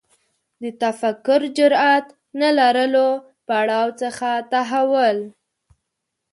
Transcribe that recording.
د تفکر جرئت نه لرلو پړاو څخه تحول